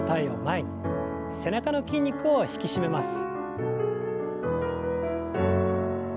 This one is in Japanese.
背中の筋肉を引き締めます。